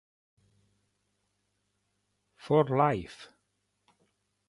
For Life